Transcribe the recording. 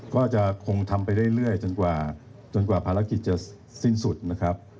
ก็จะคงทำไปเรื่อยเรื่อยจนกว่าจนกว่าภารกิจจะสิ้นสุดนะครับ